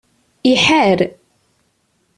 Iḥar.